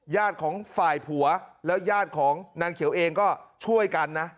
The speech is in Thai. ของฝ่ายผัวแล้วญาติของนางเขียวเองก็ช่วยกันนะ